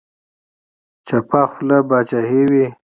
چپه خوله باچاهي وي.